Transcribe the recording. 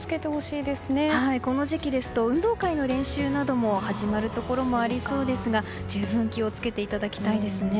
この時期、運動会の練習も始まるところもありそうですが十分気を付けていただきたいですね。